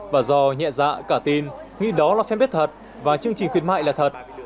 và do nhẹ dạ cả tin nghĩ đó là fanpage thật và chương trình khuyến mại là thật